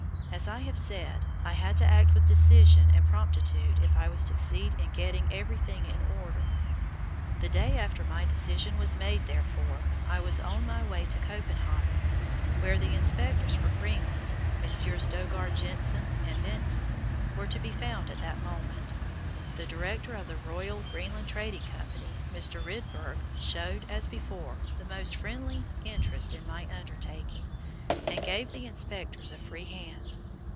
As I have said, I had to act with decision and promptitude if I was to succeed in getting everything in order. The day after my decision was made, therefore, I was on my way to Copenhagen, where the Inspectors for Greenland, Messrs. Daugaard Jensen and Bentzen, were to be found at that moment. The director of the Royal Greenland Trading Company, Mr. Rydberg, showed, as before, the most friendly interest in my undertaking, and gave the inspectors a free hand.